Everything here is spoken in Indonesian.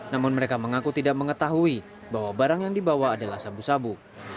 namun mereka mengaku tidak mengetahui bahwa barang yang dibawa adalah sabu sabu